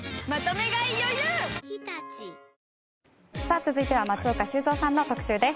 続いては松岡修造さんの特集です。